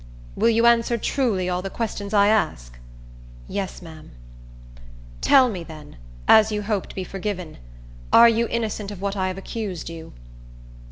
"Will you answer truly all the questions I ask?" "Yes, ma'am." "Tell me, then, as you hope to be forgiven, are you innocent of what I have accused you?"